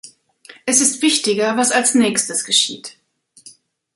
Es ist wichtiger, was als Nächstes geschieht.